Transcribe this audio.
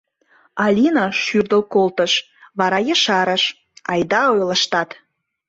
— Алина шӱрдыл колтыш, вара ешарыш: — Айда ойлыштат!